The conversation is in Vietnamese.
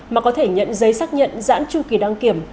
mà có thể nhận giấy xác nhận giãn tru kỳ đăng kiểm